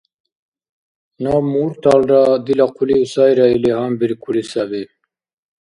Наб мурталра дила хъулив сайра или гьанбиркули саби.